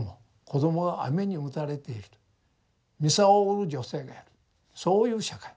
子どもが雨に打たれている操を売る女性がいるそういう社会。